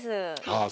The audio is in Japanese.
ああ